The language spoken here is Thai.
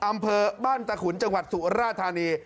อำเภอบ้านตะขุนจังหวัดสุราธานี